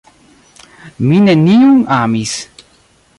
mi neniun amis.